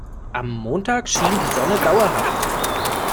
Am Montag schien die Sonne dauerhaft.